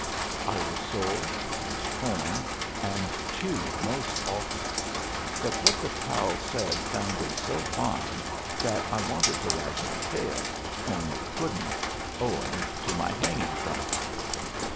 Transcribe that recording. I was sore, and torn, and chewed most awful, but what the pal said sounded so fine that I wanted to wag my tail, only couldn't, owing to my hanging from it.